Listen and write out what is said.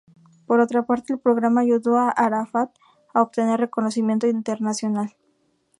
Por otra parte, el Programa ayudó a Arafat a obtener reconocimiento internacional.